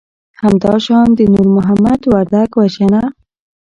همدا شان د نور محمد وردک وژنه